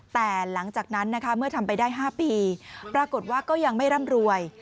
แต่หลังจากนั้นนะคะเมื่อทำไปได้๕ปีปรากฏว่าก็ยังไม่ร่ำรวย